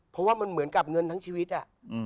เพราะว่ามันเหมือนกับเงินทั้งชีวิตอะ